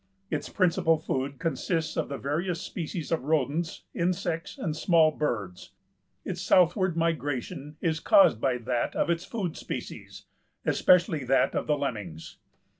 Its principal food consists of the various species of rodents, insects and small birds. Its southward migration is caused by that of its food species, especially that of the lemmings.